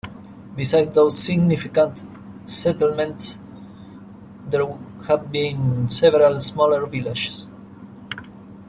Beside those significant settlements there have been several smaller villages.